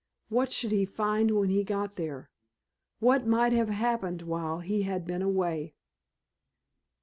What should he find when he got there? What might have happened while he had been away?